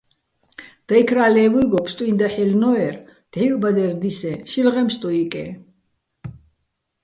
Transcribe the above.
დაჲქრა ლე́ვუჲგო ფსტუჲნო̆ დაჰ̦ ჲელნო́ერ, დღივჸ ბადერ დისეჼ, შილღეჼ ფსტუ ჲიკეჼ.